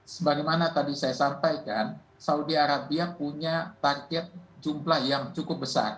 sebagaimana tadi saya sampaikan saudi arabia punya target jumlah yang cukup besar